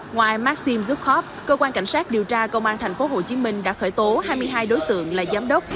ngoài maxim zupcov cơ quan cảnh sát điều tra công an tp hcm đã khởi tố hai mươi hai đối tượng là giám đốc